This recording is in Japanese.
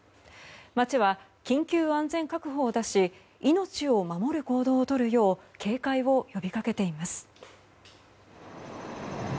町は緊急安全確保を出し命を守る行動をとるよう警戒を呼びかけています。